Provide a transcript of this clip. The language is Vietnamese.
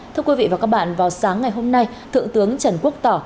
thưa quý vị và các bạn vào sáng ngày hôm nay thượng tướng trần quốc tỏ